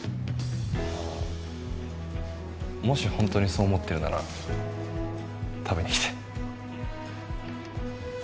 あっもし本当にそう思ってるなら食べに来て。